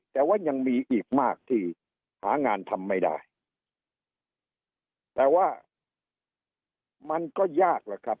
แต่ว่ายังมีอีกมากที่หางานทำไม่ได้แต่ว่ามันก็ยากล่ะครับ